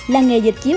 làng nghề dịch chiếu